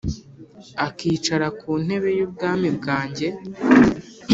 akicara ku ntebe y’ubwami bwanjye.’